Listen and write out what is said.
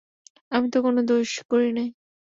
আমি তো কোনো দোষ করি নাই।